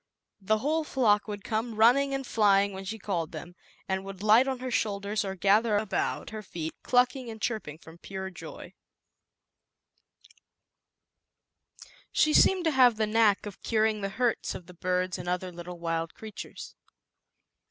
The whole flock would come running and flying when she called them, and would light on her shoulders, or gather about her feet clucking and chirping from pure j I She seemed to have the knack of curing the hurts of the birds and other Illittle wild creatures.